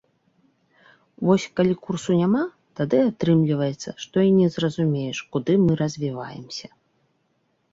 Вось калі курсу няма, тады атрымліваецца, што і не зразумееш, куды мы развіваемся.